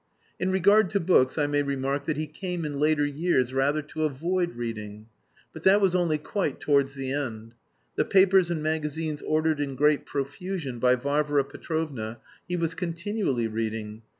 In regard to books I may remark that he came in later years rather to avoid reading. But that was only quite towards the end. The papers and magazines ordered in great profusion by Varvara Petrovna he was continually reading.